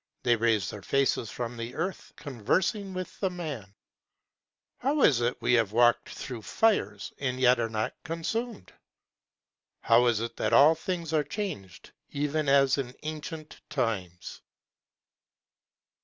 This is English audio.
They raise their faces from the earth, conversing with the Man: 'How is it we have walk'd through fires and yet are not consum'd? How is it that all things are chang'd, even as in ancient times?'